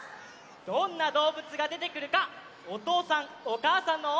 どんなどうぶつがでてくるかおとうさんおかあさんのはなをおしてみましょう！